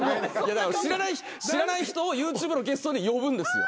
知らない人をＹｏｕＴｕｂｅのゲストに呼ぶんですよ。